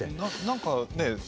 何かねえ。